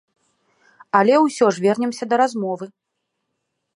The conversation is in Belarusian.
Але ўсё ж вернемся да размовы.